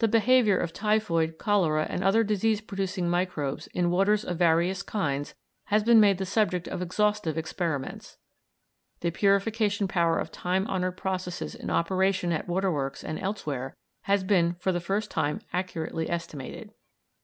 The behaviour of typhoid, cholera, and other disease producing microbes in waters of various kinds has been made the subject of exhaustive experiments; the purification power of time honoured processes in operation at waterworks and elsewhere has been for the first time accurately estimated.